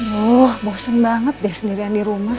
wah bosen banget deh sendirian di rumah